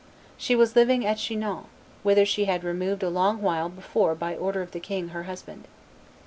She was living at Chinon, whither she had removed a long while before by order of the king her husband.